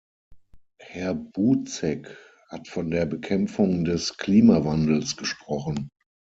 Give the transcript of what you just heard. Herr Buzek hat von der Bekämpfung des Klimawandels gesprochen.